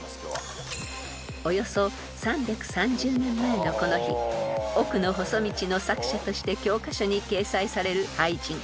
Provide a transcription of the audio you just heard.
［およそ３３０年前のこの日『奥の細道』の作者として教科書に掲載される俳人］